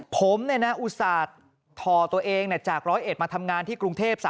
ผมเนี่ยนะอุตส่าห์ทอตัวเองเนี่ยจาก๑๐๑มาทำงานที่กรุงเทพฯ